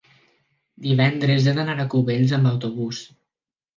divendres he d'anar a Cubells amb autobús.